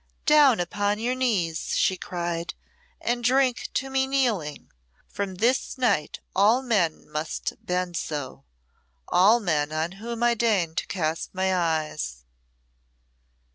"Down upon your knees," she cried, "and drink to me kneeling. From this night all men must bend so all men on whom I deign to cast my eyes."